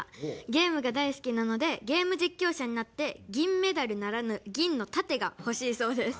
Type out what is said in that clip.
ゲームが大好きなのでゲーム実況者になって銀メダルならぬ銀の盾がほしいそうです。